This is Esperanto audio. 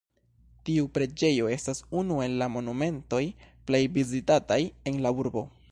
Tiu preĝejo estas unu el la monumentoj plej vizitataj en la urbo.